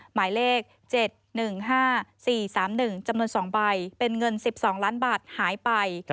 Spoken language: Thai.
หมายเลข๗๑๕๔๓๑จำนวน๒ใบเป็นเงิน๑๒ล้านบาทหายไป